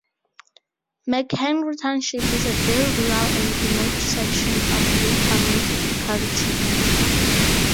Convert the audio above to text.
McHenry Township is a very rural and remote section of Lycoming County.